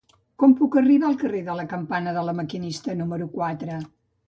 Com puc arribar al carrer de la Campana de La Maquinista número quatre?